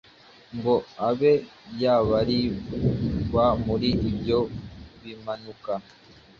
ngo abe yabarirwa muri ibyo Bimanuka.